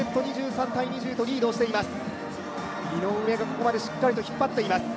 井上がここまでしっかりと引っ張っています。